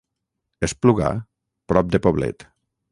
Espluga, prop de Poblet.